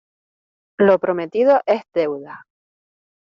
Lo prometido es deuda.